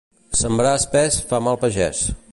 Sembrar espès fa mal pagès.